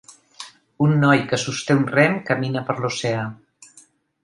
Un noi que sosté un rem camina per l'oceà.